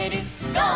「ゴー！